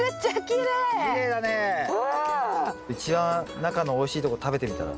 一番中のおいしいとこ食べてみたら？